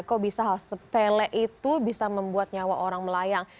kok bisa hal sepele itu bisa membuat nyawa orang melayang